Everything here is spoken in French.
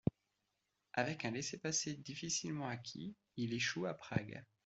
Avec un laissez-passer difficilement acquis, il échoue à Prague.